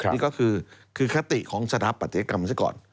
นี่ก็คือคติของสถาปัตยกรรมซะก่อน